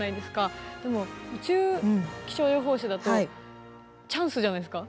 でも宇宙気象予報士だとチャンスじゃないですか？